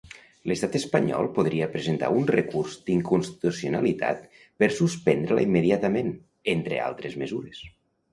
L'Estat espanyol podria presentar un recurs d'inconstitucionalitat per suspendre-la immediatament, entre altres mesures.